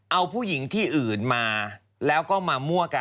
เอาผู้หญิงที่อื่นมาแล้วก็มามั่วกัน